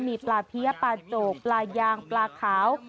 มีปลาเพี้ยปลาโจกปลายางปลาขาว